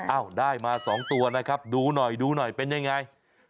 ได้มา๒ตัวนะครับดูหน่อยดูหน่อยเป็นยังไง